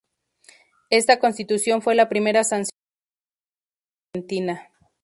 Esta constitución fue la primera sancionada por una provincia argentina.